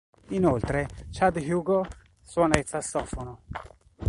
Inoltre, Chad Hugo suona il sassofono.